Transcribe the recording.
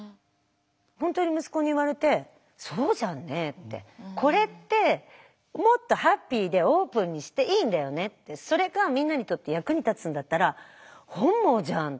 本当に息子に言われて「そうじゃんね」ってこれってもっとハッピーでオープンにしていいんだよねってそれがみんなにとって役に立つんだったら「本望じゃん」って思えたの。